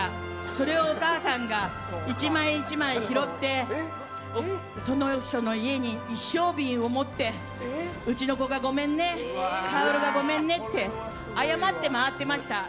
それをお母さんが１枚１枚拾ってその人の家に一升瓶を持ってうちの子がごめんね香がごめんねって謝って回ってました。